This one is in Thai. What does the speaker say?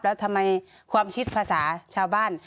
แล้วทำไมความคิดภาษาชาวบ้าน